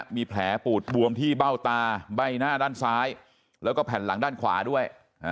มีแผลปูดบวมที่เบ้าตาใบหน้าด้านซ้ายแล้วก็แผ่นหลังด้านขวาด้วย